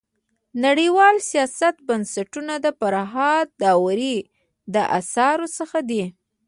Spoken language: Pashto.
د نړيوال سیاست بنسټونه د فرهاد داوري د اثارو څخه دی.